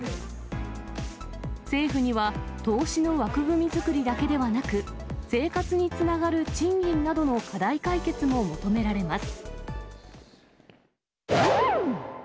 政府には投資の枠組み作りだけではなく、生活につながる賃金などの課題解決も求められます。